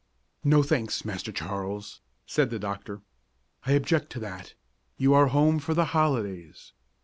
"No, thanks, Master Charles," said the doctor, "I object to that; you are home for the holidays.